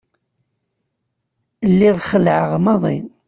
Lliɣ xelεeɣ maḍi.